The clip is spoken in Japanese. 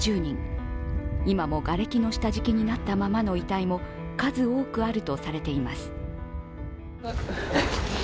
今もがれきの下敷きになったままの遺体も数多くあるとされています。